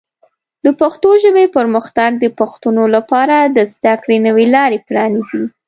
د پښتو ژبې پرمختګ د پښتنو لپاره د زده کړې نوې لارې پرانیزي.